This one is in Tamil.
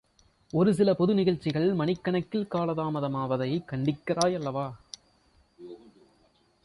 ஒரு சில பொது நிகழ்ச்சிகள் மணிக்கணக்கில் காலதாமதமாவதைக் கண்டிக்கிறாய் அல்லவா?